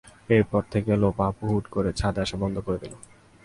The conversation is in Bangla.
এরপর থেকে লোপা আপু হুট করে ছাদে আসা বন্ধ করে দিল।